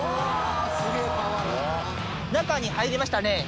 中に入りましたね。